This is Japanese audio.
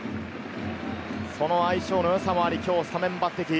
その相性のよさもあり今日スタメン抜てき。